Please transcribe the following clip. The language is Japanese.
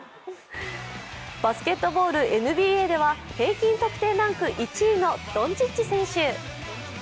バスケットボールＮＢＡでは平均得点ランク１位のドンチッチ選手。